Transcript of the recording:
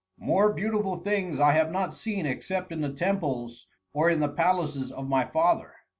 "More beautiful things I have not seen except in the temples or in the palaces of my father.